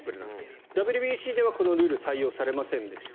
ＷＢＣではこのルール採用されませんでした。